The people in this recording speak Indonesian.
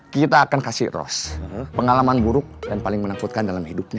kita akan kasih ros pengalaman buruk dan paling menakutkan dalam hidupnya